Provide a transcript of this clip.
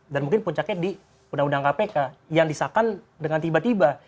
dan mungkin puncaknya di undang undang kpk yang disahkan dengan tiba tiba